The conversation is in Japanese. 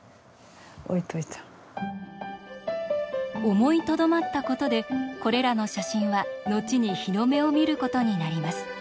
思いとどまったことでこれらの写真は後に日の目を見ることになります。